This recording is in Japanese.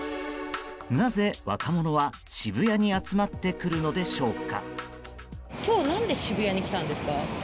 なぜ若者は渋谷に集まってくるのでしょうか？